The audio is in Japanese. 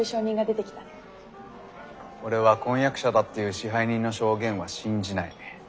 俺は婚約者だっていう支配人の証言は信じない。